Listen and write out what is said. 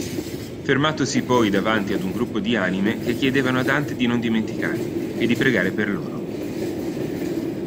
Fermatosi poi davanti ad un gruppo di anime che chiedevano a Dante di non dimenticarli e di pregare per loro.